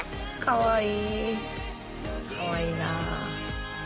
かわいい！